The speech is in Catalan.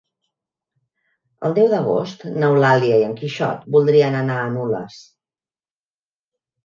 El deu d'agost n'Eulàlia i en Quixot voldrien anar a Nulles.